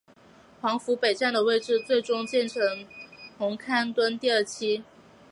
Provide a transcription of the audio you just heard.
黄埔北站的位置最终建成红磡邨第二期。